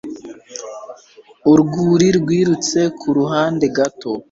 Urwuri rwirutse kuruhande gato